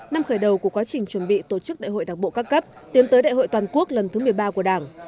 năm khởi đầu của quá trình chuẩn bị tổ chức đại hội đảng bộ các cấp tiến tới đại hội toàn quốc lần thứ một mươi ba của đảng